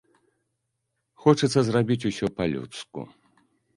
Хочацца зрабіць усё па-людску.